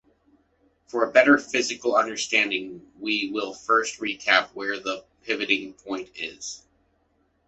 For a better physical understanding, we will first recap where the pivoting point is.